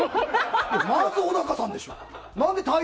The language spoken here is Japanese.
まず小高さんでしょ。